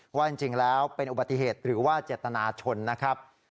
ว่าจริงแล้วเป็นอุบัติเหตุหรือว่าเจตนาชนนะครับ